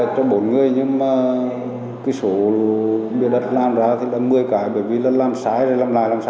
còn ẻm người ở giữa lấy từ bên anh trung